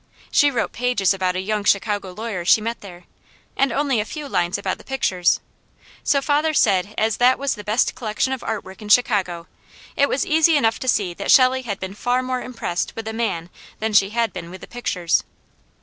She wrote pages about a young Chicago lawyer she met there, and only a few lines about the pictures, so father said as that was the best collection of art work in Chicago, it was easy enough to see that Shelley had been far more impressed with the man than she had been with the pictures.